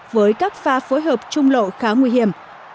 với các pha phối hợp trung lộ khá nguy hiểm